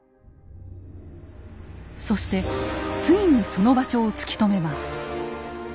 そしてついにその場所を突き止めます。